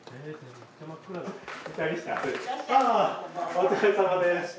お疲れさまです。